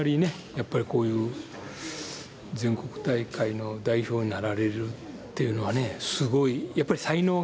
やっぱりこういう全国大会の代表になられるっていうのはねすごい。